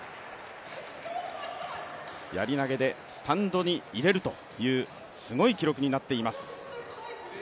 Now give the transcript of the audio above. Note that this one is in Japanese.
やり投でスタンドに入れるというすごい記録になっています。